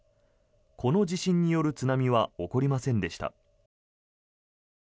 この地震による津波は起こりませんでした。